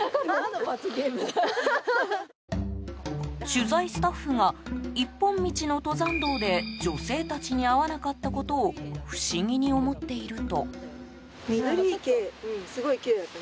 取材スタッフが一本道の登山道で女性たちに会わなかったことを不思議に思っていると。